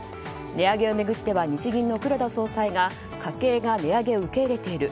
値上げを巡っては日銀の黒田総裁が家計が値上げを受け入れている。